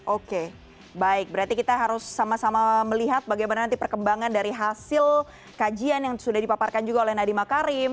oke baik berarti kita harus sama sama melihat bagaimana nanti perkembangan dari hasil kajian yang sudah dipaparkan juga oleh nadiem makarim